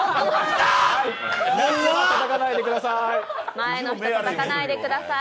前の人をたたかないでください。